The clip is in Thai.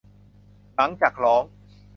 หลังจากร้อง